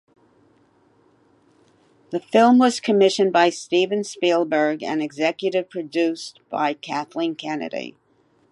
The film was commissioned by Steven Spielberg and executive produced by Kathleen Kennedy.